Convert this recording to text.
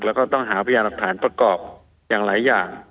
แล้วก็ต้องหาพยานหลักฐานประกอบอย่างหลายอย่าง